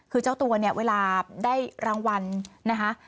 คือเจ้าตัวเนี่ยเวลาได้รางวัลนะคะ